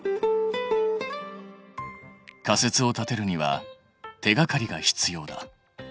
仮説を立てるには手がかりが必要だ。